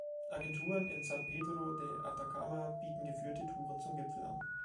Agenturen in San Pedro de Atacama bieten geführte Touren zum Gipfel an.